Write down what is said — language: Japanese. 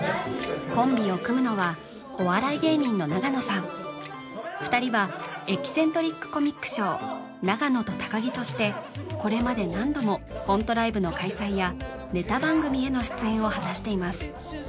コンビを組むのはお笑い芸人の永野さん２人はエキセントリックコミックショー「永野と高城。」としてこれまで何度もコントライブの開催やネタ番組への出演を果たしています